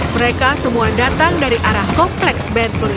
mereka semua datang dari arah kompleks bentle